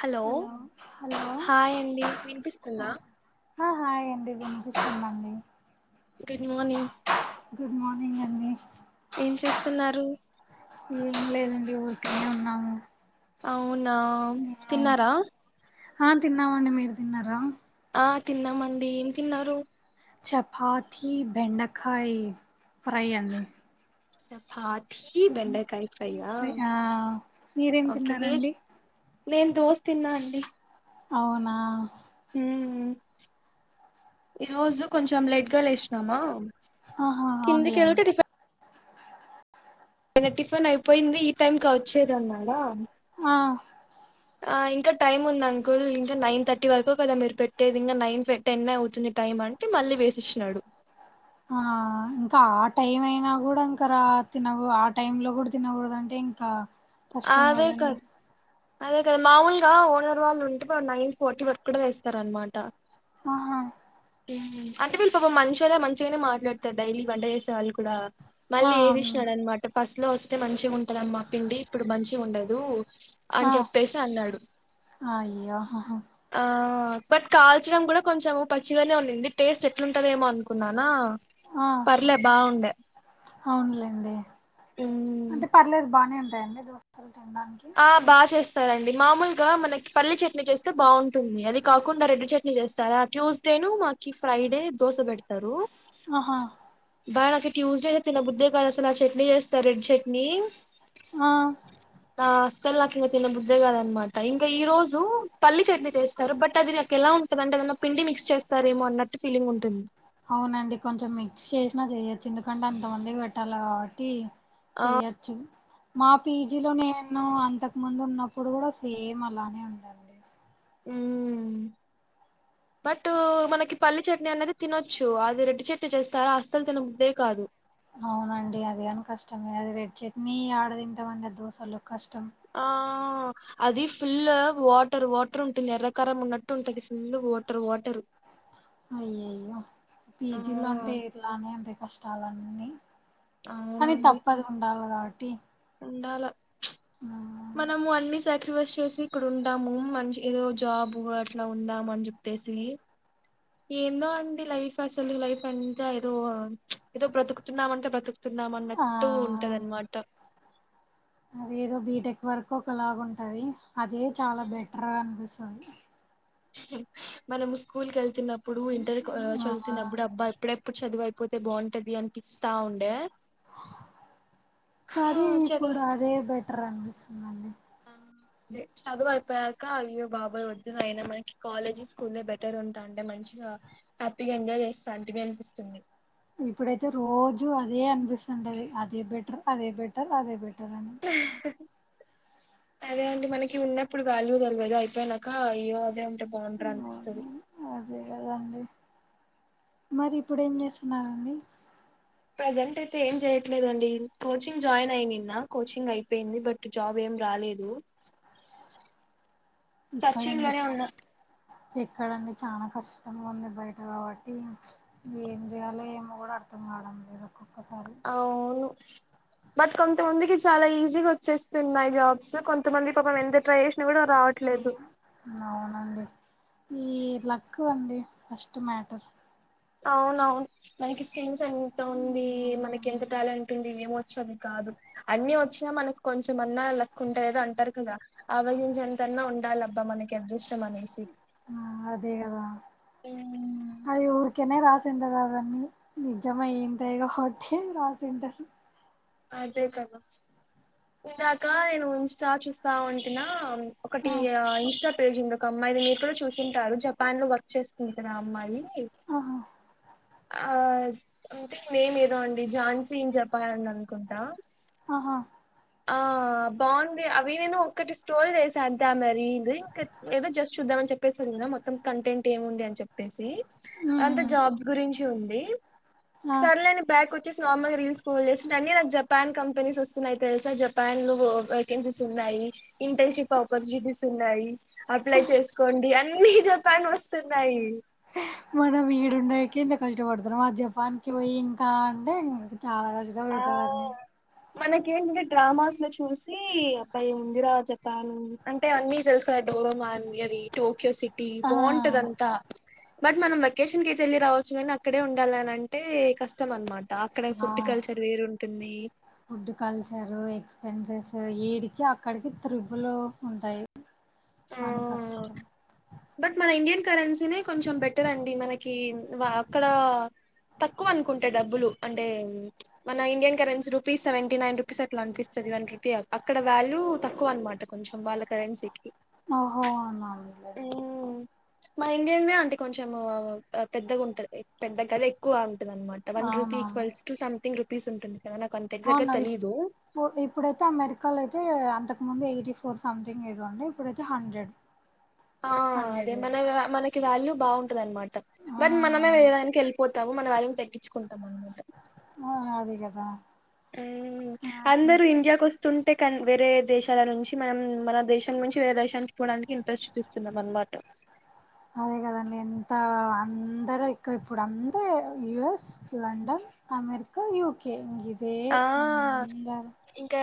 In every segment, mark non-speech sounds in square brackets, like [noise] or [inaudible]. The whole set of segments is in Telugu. హలో హాయ్ అండి వినిపిస్తుందా ఆ హాయండి వినిపిస్తుందండి గుడ్ మార్నింగ్ గుడ్ మార్నింగ్ అండి ఏం చేస్తున్నారు ఏం లేదండి ఊ తిన్నాము అవునా తిన్నారా ఆ తిన్నామండి మీరు తిన్నారా ఆ తిన్నామండి ఏం తిన్నారు చపాతి బెండకాయ ఫ్రై అండి చపాత్ తి బెండకాయ్ ఫ్రై ఆ మీరేం ఓకే మీర్ తిన్నారండి నేను దోస తిన్నా అండి అవునా మ్ ఈ రోజు కొంచెం లేట్గా లేసినామా ఆహా కిందికి అవునులేండి ఆ టిఫిన్ అయిపోయింది ఈ టైమ్కి వచ్చేదన్నాడా ఆ అ ఇంకా టైమ్ ఉంది అంకుల్ ఇంకా నైన్ థర్టీ వరకు కదా మీరు పెట్టేది ఇంకా నైన్ టెన్ ఎ అవుతుంది టైం అంటే మళ్ళీ వేసిచ్చినాడు ఆ ఇంకా ఆ టైం అయినా కూడా ఇంకా రా తిన ఆ టైమ్ లో కూడా తినకూడదు అంటే ఇంకా అదే కష్టమదైనా కదా అదే కదా మామూలుగా ఓనర్ వాళ్ళు ఉంటే వాళ్ళు నైన్ ఫోార్టీ వరకు కూడా వేస్తారన్నమాట ఆహా అంటే వీళ్ళు పాపం మంచోళ్ళే మంచిగానే మాట్లాడుతారు డైలీ వంట చేేసే వాళ్ళు కూడా ఆ మళ్ళీ ఏపిచ్చినాడన్నమాట ఫస్ట్ లో వస్తే మంచిగా ఉంటదమ్మా పిండి ఇప్పుడు మంచిగా ఉండదు ఆ అని చెప్పేసి అన్నాడు అయ్యో ఆహా ఆ బట్ కాల్చడం కూడా కొంచెం పచ్చిగానే ఉనింది టేస్ట్ అట్లుంటదేమో అనుకున్నానా ఆ పర్లే బాగుండే అవునులేండి ఉమ్, అంటే పర్లేదు బానే ఉంటాయండి దోసలు అవునా అండి సరే అండి మామూలుగా మనకి పల్లి చట్నీ చేస్తే బాగుంటుంది అది కాకుండా రెడ్డు చట్నీ చేస్తారా ట్యూస్డేను మాకి ఫ్రైడే దోశ పెడుతారు ఆహా బా నాక్ ట్యూస్డే తిన్న బుద్దే కాదసాలు అసలు ఆ చట్నీ చేస్తారు రెడ్ చట్నీ ఆ అ అస్సలు నాకు ఇంకా తిన్నబుద్ధే కదనమాట ఇంకా ఈ రోజు పల్లి చట్నీ చేస్తారు బట్ అది ఎలా ఉంటదంటే ఏదన్న పిండి మిక్స్ చేస్తారేమో అన్నట్టు ఫీలింగ్ ఉంటుంది అవునండి కొంచెం మిక్స్ చేసినా చెయోచ్చు ఎందుకంటే అంతమందికి పెట్టాలే కాబట్టి ఆ చేయ్యచ్చు మా పీజీలో నేను అంతకు ముందున్నప్పుడు కూడా సేమ్ అలానే ఉందండి ఉ [unintelligible] బట్ మనకి పల్లి చట్నీ అన్నది తినొచ్చు అది రెడ్డ్ చట్నీ చేస్తార్ అస్సలు తినబుద్దె కాదు అవునండి అది కాని కష్టమే అది రెడ్ చెట్నీ ఆడ తింటమండి దోసలో కష్టం ఆ అది ఫుల్లు వాటర్ వాటర్ ఉంటుంది ఎర్రకారం ఉన్నట్టు ఉంటది ఫుల్లు వోటర్ వాటర్ అయ్యయ్యో ఆ పీజీలో అంటే ఎట్లానే అంటే కష్టాలన్నీ కానీ అవునండి తప్పద్ ఉండాలే కాబట్టి ఉండాల చ్ మనము అన్నిస్ సాక్రిఫైస్ చేసి ఇక్కడుంటాము మంచి ఏదో జాబు అట్లా ఉందాము అన్ చెప్పేసి ఏందో అండి లైఫ్ అసలు లైఫ్ అంత ఏదో ఏదో బ్రతుకుతున్నామంటే బ్రతుకుత్ ఆ తున్నామన్నట్టు ఉంటదన్మాట అదేదో బీటెక్ వరకు ఒకలాగు ఉంటది అదే చాలా బెటర్ గా అనిపిస్ మనము స్కూల్కెళ్తున్నప్పుడు ఇంటర్ ఆ చదువుతున్నప్పుడు అబ్బా ఎప్పుడెప్పుడు చదువు అయి పోతే బాగుంటది అనిపిస్తా ఉండే హా కాని చదువు ఇప్పుడదే బెటర్ అనిపిస్తుందండి అదే చదువు అయిపోయాక అయ్యో బాబాయ్ వద్దునయనా మనకి కాలేజీ స్కూల్లే బెటర్ ఉంటాండే మంచిగా హ్యాపీగా ఎంజాయ్ చేస్తాంటిమి అనిపిస్తుంది ఇప్పుడైతే రోజు అదే అనిపిస్తుంటది అదే బెటర్ అదే బెటర్ అదే బెటర్ అని అహ్హ్ హ హ అదే అండి మనకి ఉన్నప్పుడు వాల్యూ తెల్వది అయిపోయానాక ఇయ్యో అదే ఉం ఉంటే బాగుంట్రా అనిపిస్తది అదే కదండి మరి ఇప్పుడేం చేస్తున్నారండి ప్రజెంట్ అయితే ఏం చేయట్లేదండి కోచింగ్ జాయిన్ అయి నిన్న కోచింగ్ అయిపోయింది బట్ జాబ్ ఏం రాలేదు [unintelligible] సచ్చి ఇక్కడండి ఇండ్లనే ఉన్న ఎక్కడండి చానా కష్టం ఉంది బయట కాబట్టి ఏం చేయాలో ఏమో కూడా అర్ అర్దం కావడం లేదూ అవును బట్ కొంతమందికి చాలా ఈజీగోచ్చేస్తున్నాయి జాబ్స్ కొంత్ కొంతమంది పాపం ఎంత ట్రై చేసినా కూడా రావట్లేదు అవునండి ఈ లక్కు అండి ఫస్ట్ మ్యాటర్ అవునవును మనకి స్కీల్స్ ఎంత ఉంది మనకి ఎంత టాలెంట్ ఉంది ఇవేం ద్ క్షమి కాదు అన్ని వచ్చినా మనకు కొంచెంమన్నా లక్కుంటేదో అంటారు కదా అవగించంత అయిన ఉండాలబ్బా మనకి అద్రుష్ ఆ అదేగదా అది ఊరికనే రాస్ ఎండ్లగాదని నిజమయిన్దేదో కొట్టి రాసింటారు అదే కదా ఇందాక నేను ఇంస్టా చూస్తా ఉంటినా ఒకటి ఆ ఇన్స్టా పేజ్ ఉందోక్ ఒక అమ్మాయిది మీరు కూడా చూసింటారు జపాన్ లో వర్క్ చేస్తుంటది ఆ అమ్మాయి ఆహ ఆ అంటే నేమ్ ఏదో అండి ఝాన్సీన్ జపాన్ అని అనుకుంటా ఆహా ఆ బాగుంది అవి నేను ఒక్కటి స్టోరీ జేసా అంతే ఆమె రీల్ ఇంక ఏదో జస్ట్ చూద్దామని చెప్పేసి యిన మొత్తం కంటెంట్ ఏముంది అని చెప్పేసి ఉమ్, అదంత ఉమ్, జాబ్స్ గురించి ఉంది ఆ. సర్లే నేను బ్యాక్ వచ్చేసి నార్మల్గా రీల్స్ స్క్రోల్ చేస్తుంటే అన్నీ నాకు జపాన్ కంపెనీస్ వస్తున్నాయి తెలుసా జపాన్ లో వేకెన్సీస్ ఉన్నాయి ఇంటర్న్షిప్ అప్పర్క్యూనిటీస్ ఉన్నాయి అప్లై చేసుకోండి అన్ని జపాన్ వస్తున్నాయి మనం ఈడుండకి ఇంత కష్టం పడుతున్నా ఆ జపాన్ కి పోయి ఇంకా అంటే చాలా రోజులు అవుతుంది [unintelligible] మనకేంటంటే డ్రామాస్ లో చూసి అబ్బాయిఎమ్ ఉందిరా జపాన్ అంటే అన్నిీ తెలుస్త డోర [unintelligible] నా న్వి [unintelligible] టోక్యో సిటీ ఆ బావుంటది అంతా బట్ మనం వెకేషన్ కి ఆయితే వెళ్లి రావచ్చు కాని అక్కడే ఉండాలిని అంటే కష్టం అనమాట అక్కడే ఆ ఫుడ్ కల్చర్ వేరు ఉంటుంది వెంచర్స్ ఇడికి అక్కడికి త్రిబులు ఉంటాయి ఆ కానీ కష్టం బట్ మన ఇండియన్ కరెన్సీనే కొంచెం బెటర్ అండి మనకి అక్కడ తక్కువ అనుకుంట డబ్బులు అంటే మన Indian currency rupees seventy nine rupees అట్లా అనిపిస్తది అక్కడ వాల్యూ తక్కువ అనమాట కొంచెం వాళ్ళ కరెన్సీకి ఓహో మా ఇండియే అంటే కొంచెం పెద్దగా ఉంటంది పెద్ద కదా ఎక్కువ అ [unintelligible] మాట one rupee equals to something rupees ఉంటుంది కదా నాకు అంత ఎగ్జాక్ట్ గా అవునా ఇ తెలీదు ఇప్పుడైతే అమెరికాలో అయితే అంత ముందు ఎయిటీ ఫోర్ సంథింగ్ ఎదో అంటే ఇప్పుడైతే హండ్రెడ్ ఆ అదే హండ్రెడ్ మన మనకి వాల్యూ బాగుంటది అనమాట ఆ బట్ మనమే ఏదానికి వెళ్ళిపోతు మనంళ్ళని తగ్గించుకుంటాం అన్నమాట [unintelligible] ఆ అదే కదా ఉం ఆ అందరు ఇండియాకు వస్తుంటే కానీ వేరే దేశాల నుంచి మనం మన దేశం నుంచి వేరే దేశానికి పోడానికి ఇంట్రెస్ట్ చూపిస్తున్నాం అన్నమాట అందరు ఇకా ఇప్పుడు అందర్ యుఎస్ లండన్ అమెరికా యూకే ఇదే ఆ అందరు ఇంకా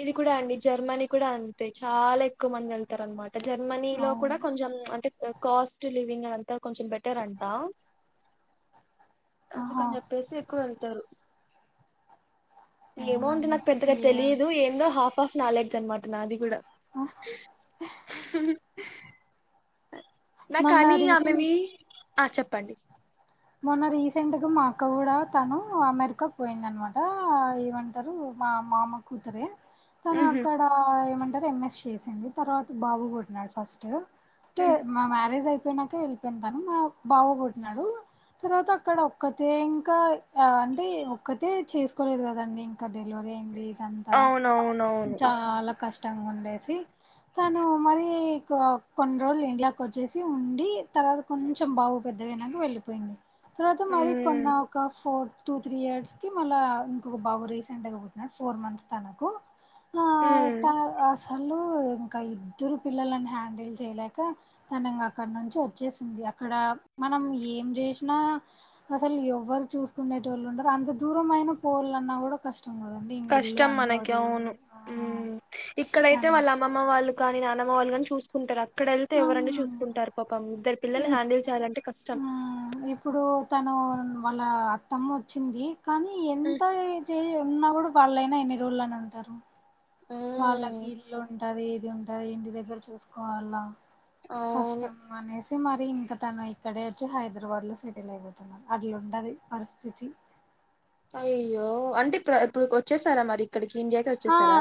ఇది కూడా అండి జర్మనీ కూడా అంతే చాలా ఎక్కువ మంది వెళ్తారు అనమాట జర్మనీ లో కూడా అవును కొంచెం అంటే కాస్ట్ లివింగ్ కొంచెం బెటర్ అంటా ఆహా అందుకని చెప్పేసి ఎక్కువ వెళ్తారు ఏమో అండి అవునండి నాకు పెద్దగా ఏం తెలియదు ఏందో హాఫ్ హాఫ్ నాలర్డ్జ్ అనమాట నాది కూడా ఆ నాకు మొన్న కానీ ఆమెవీ రీసెంట్ ఆ చెప్పండి మొన్న రీసెంట్గా మా అక్క కూడా తను అమెరికాకు పోయింద అనమాట ఏమంటారు మా మామ కూతురే తను ఉహు, అక్కడ ఏమంటారు ఎంఎస్ చేసింది తర్వాత బాబు పుట్టి నాడు ఫస్ట్ అంటే ఉమ్, మా మ్యారేజ్ అయిపోయినాకే వెళ్ళిపోయింది తను మా బాబు పుట్టి నాడు తర్వాత అక్కడ ఒక్కతే ఇంకా అంటే ఒక్కతే చేసుకోలేదు కదండి ఇంక డెలివరీ అయింది ఇదంతా అవునవునవును చాలా కష్టంగా ఉండేసి తను మరి కొన్ని రోజులు ఇండియా కి వచ్చేసి ఉండి తర్వాత కొంచెం బాబు పెద్దగయినాక వెళ్లి పోయింది తర్వాత మరి ఉమ్ కొన్న ఒక్క ఫో టూ త్రీ ఇయర్స్ కి మళ్ళా ఇంకొక బాబు రీసెంట్ గా పుట్టిన్నాడు ఫోర్ మంత్స్ తనకు ఉమ్ [unintelligible] తనూ ఇంకా ఇద్దరు పిల్లని హ్యాండిల్ చేయలేక తను అక్కడ నుంచి వచ్చేసింది అక్కడ మనం ఏం చేసినా అసలు ఎవరు చూసుకునే వాళ్ళు ఉండరు అంత దూరం అయినా పోవలన్నా కూడా కష్టం కష్టం మనకి అవును ఉమ్ ఇక్కడైతే వాళ్ళ అమ్మమ్మ [unintelligible] వాళ్ళు కానీ నాన్నమ్మ వాళ్ళు చూసుకుంటారు అక్కడ వెళ్తే ఆ ఎవరని చూసుకుంటారు పాపం ఇద్దరు ఈ పిల్లల్ని హ్యాండీల్ చేయాలంటే కష్టం ఇప్పుడు తను వాళ్ళ అత్తమ్మ వచ్చింది కానీ ఉమ్ ఎంత చేయి ఉన్నా కూడా వాళ్ళయినా ఎన్ని రోజులని ఉంటారు వాళ్ళకి ఉమ్, ఇల్లు ఉంటది ఏది ఉంటది ఇంటి దగ్గర చూసుకోవాలా అవును కష్టం మనే తే మరి ఇంకా తను ఇక్కడే వచ్చి హైదరాబాద్ లో సెటిల్ అయిపోతున్నా అట్లుండది పరిస్థితి అయ్యో అంటే ఇప్పుడు ఇప్పుడు వచ్చేసారా మరి ఇక్కడికి ఇండియాకి ఆ వచ్చేసారా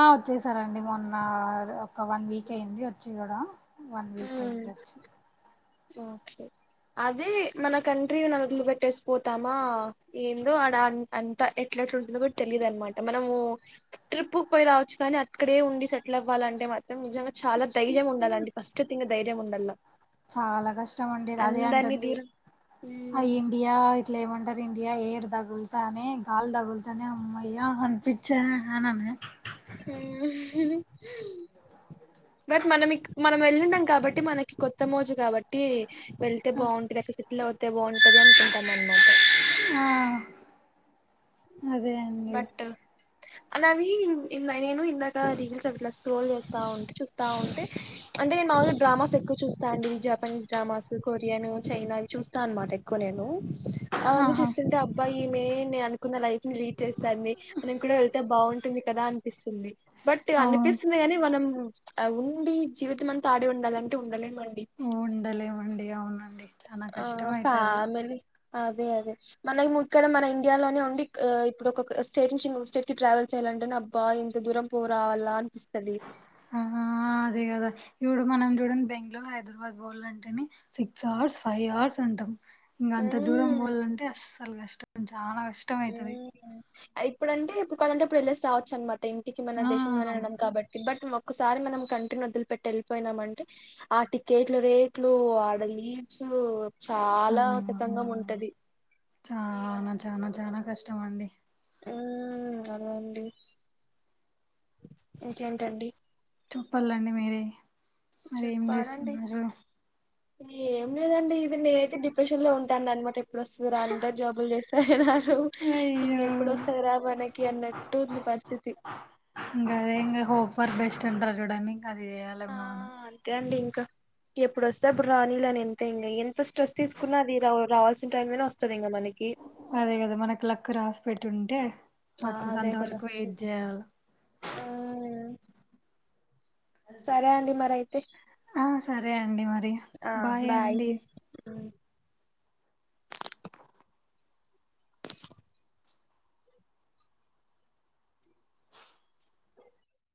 ఆ వచ్చేసారండి మొన్న ఒక వన్ వీక్ అయింది వచ్చి కూడా వన్ వీక్ అయి ఉమ్ ఉండొచ్చు ఓకే అదే మన కంట్రీని వదులు పెట్టేసి పోతామా ఏందో ఆడ అంత ఎ టుందో కూడా తెలీయదు అనమాట మనము ట్రిప్ పోయి రావచ్చు కానీ అక్కడే ఉండి సెటిల్ అవ్వాలంటే నిజంగా చాలా దైర్యం ఉండాలండి ఫస్ట్ థింగ్ ధైర్యం ఉండాల చాలా కష్టం అండి అదే అందరినీ అంటుంది దూరం ఆ ఉమ్. ఇండియా ఇట్లా ఏమంటారు ఇండియా ఏడు తగులుతా అని గాలి తగులుతాని అమ్మయ అనిపించ అనని ఆ బట్ మనం మనం వెళ్ళినం కాబట్టి మనకి కొత్త మోజు కాబట్టి వెళ్తే బాగుంటుంది అక్క సేటిల్ అవుతే బాగుంటది అనుకుంటాం అనమాట ఆ అదే అండి బట్ అలావి ఇల నేను ఇందాక రీల్స్ అట్లా స్క్రోల్ చేస్తా ఉంటే చూస్తా ఉంటే అంటే నేను మామూలుగా డ్రామాస్ ఎక్కువ చూస్తా చూస్తా అండివి జాపనీస్ డ్రామాస్ కొరియను చైనా ఇవి చూస్తా అన్నమాట ఎక్కువ నేను అవన్నీ ఆహా చూస్తూ ఉంటే అబ్బా యిమె నేను అనుకున్న లైఫ్ ని లీడ్ చేస్తాని మనం కూడా వెళ్తే బాగుంటుంది కదా అనిపిస్తుంది బట్ అవును అనిపిస్తుంది ని మనం ఉండి జీవితం అంతా ఆడే ఉండాలంటే ఉండలేం ఉండలేమండి అవునండి చనా ఆ కష్టం అయితది ఫ్యామిలీ అదే అదే మనకి ఇక్కడ మన ఇండియాలోనే ఉ ఇప్పుడు ఒక స్టేట్ నుంచి ఇంకో స్టేట్ కి ట్రావెల్ చెయాలంటే అబ్బా ఎంత దూరం పోరావాలా అనిపిస్తంది ఆ అదే కదా ఇపుడు మనం చూడండి బెంగళూరు హైదరాబాద్ పోవాలంటేనే అంటేనే సిక్స్ అవర్స్ ఫైవ్ అవర్స్ అంటాం ఇంకా అంత దూరం ఉమ్ పోవలంటే అ అసలు కష్టం చాలా కష్టం అయితది ఇప్పుడంటే ఇప్పుడు కొదంటే ఇప్పుడు వెళ్ళేసి రావచ్చు అనమాట ఇంటికి మన ఆ దేశంలోనే ఉన్నాం కాబట్టి బట్ ఒకసారి మనం కంట్రీ ను వదిలిప పెట్టీ వెళ్ళిపోయినామ అంటే ఆ టికెట్లు రేట్లు ఆడ లివ్స్ కు ఆ చాలా కతంగం ఉంటది చానా చానా చానా కష్టం అండి ఉ అదండి ఇంకేంటండి చెప్పాలండి మీరే మరీ ఏం చెప్పాలండి చేస్తున్నారు ఏం లేదండి ఇది నేనైతే డిప్రెషన్ లో ఉంటా అం అనమాట ఎప్పుడు వస్తుంది రా అందరు జాబులు చేస్త తేరారు అయ్యో ఇంకెప్పుడు వస్తుంది రాబనకి అన్నట్టు ఉంది పరిస్థితి ఇందే ఇంకా హోప్ ఫర్ బస్ట్ అంటారు చుడాండి ఇంకా అది చేయాలి ఏమో మనం ఎప్పుడు వస్తే అప్పుడు రానీలే అని ఎంత ఇంకా ఎంత స్ట్రెస్ తీసుకున్నా అది రావాల్సిన టైం లోనే వస్తుంది అదే కదా మనకు లక్ రాసి పెట్టు ఉంటే ఆ అప్పుడు అదే కదా అంతవరకు వెయిట్ చేయాలా ఉమ్, సరే అండి మరి అయితే ఆ సరే అండి మరి బాయ్ అండి ఉమ్.